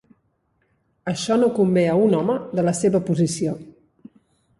Això no convé a un home de la seva posició.